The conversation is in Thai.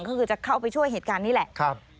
ก็คือจะเข้าไปช่วยเหตุการณ์นี้แหละ